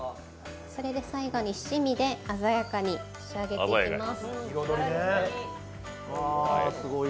それで最後に七味で鮮やかに仕上げていきます。